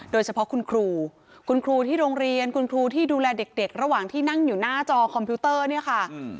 โดยเฉพาะคุณครูคุณครูที่โรงเรียนคุณครูที่ดูแลเด็กระหว่างที่นั่งอยู่หน้าจอคอมพิวเตอร์เนี่ยค่ะ